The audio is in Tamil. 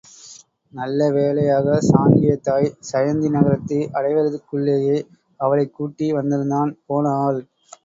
நல்ல வேளையாகச் சாங்கியத் தாய் சயந்தி நகரத்தை அடைவதற்குள்ளேயே அவளைக் கூட்டி வந்திருந்தான் போன ஆள்.